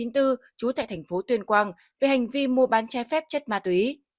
trú tại thành phố tuyên quang về hành vi mua bán trái phép chất ma túy